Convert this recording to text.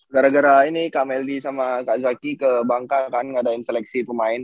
gara gara ini kak meldi sama kak zaki ke bangka kan ngadain seleksi pemain